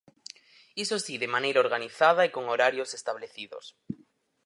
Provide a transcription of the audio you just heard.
Iso si, de maneira organizada e con horarios establecidos.